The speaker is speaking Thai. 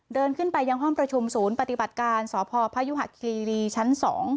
เดินขึ้นไปยังห้องประชุมศูนย์ปฏิบัติการสพพยุหะคีรีชั้น๒